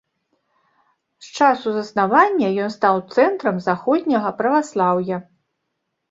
З часу заснавання ён стаў цэнтрам заходняга праваслаўя.